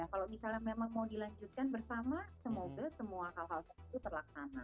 kalau misalnya memang mau dilanjutkan bersama semoga semua hal hal seperti itu terlaksana